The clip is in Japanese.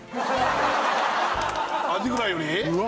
アジフライより？